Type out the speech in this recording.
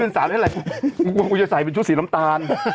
พื้นศาลอะไรกูจะใส่เป็นชุดสีล้ำตาล